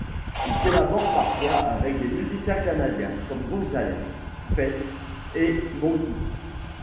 Il collabore parfois avec des musiciens canadiens comme Gonzales, Feist et Mocky.